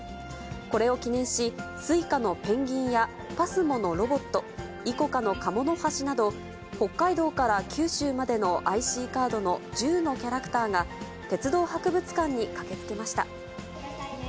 これを記念し、ＳｕｉｃａのペンギンやＰＡＳＭＯのロボット、ＩＣＯＣＡのカモノハシなど、北海道から九州までのＩＣカードの１０のキャラクターが、鉄道博物館に駆けつけました。